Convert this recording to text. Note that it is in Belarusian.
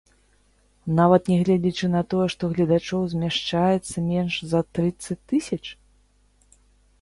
Нават нягледзячы на тое, што гледачоў змяшчаецца менш за трыццаць тысяч?